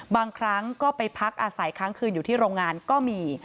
บางครั้งก็ไปพักอาศัยค้างคืนอยู่ที่โรงงานก็มี